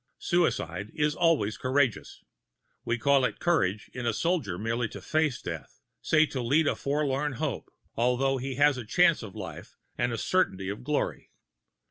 Suicide is always courageous. We call it courage in a soldier merely to face death say to lead a forlorn hope although he has a chance of life and a certainty of "glory."